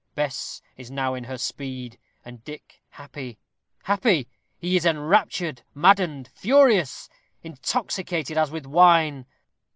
Bess is now in her speed, and Dick happy. Happy! he is enraptured maddened furious intoxicated as with wine.